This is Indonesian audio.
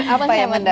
apa yang mendasar